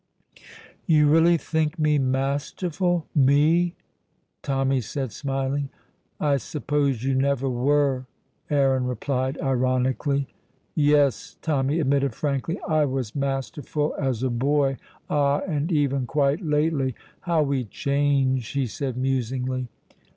"You really think me masterful me!" Tommy said, smiling. "I suppose you never were!" Aaron replied ironically. "Yes," Tommy admitted frankly, "I was masterful as a boy, ah, and even quite lately. How we change!" he said musingly.